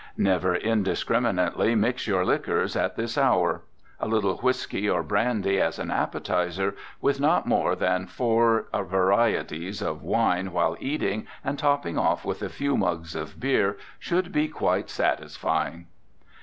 Never indiscriminately mix your liquors at this hour. A little whisky or brandy as an appetizer, with not more than four varieties of wine while eating, and topping off with a few mugs of beer, should be quite satisfying.